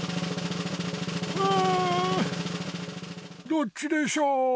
どっちでしょう？